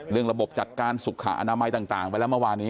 ระบบจัดการสุขอนามัยต่างไปแล้วเมื่อวานี้